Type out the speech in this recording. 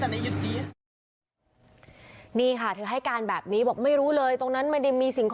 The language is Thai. ถ้านั้นออกมาบอกว่านี่ค่ะถือให้การแบบนี้บอกไม่ได้มีสิ่งของอะไรผิดกฎมากไม่รู้เลย